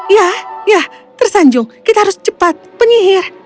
ya ya tersanjung kita harus cepat penyihir